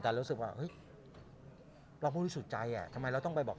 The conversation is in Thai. แต่รู้สึกว่าเฮ้ยเราบริสุทธิ์ใจอ่ะทำไมเราต้องไปบอก